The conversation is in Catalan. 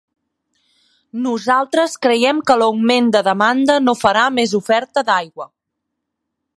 Nosaltres creiem que l’augment de demanda no farà més oferta d’aigua.